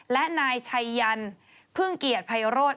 และนายชัยยันพึ่งเกียรติภัยโรธ